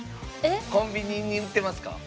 コンビニに売ってますか？